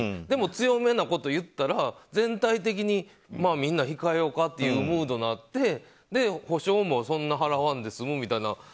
でも強めなこと言ったら全体的にみんな控えようかというムードになって補償もそんな払わんで済むっていう。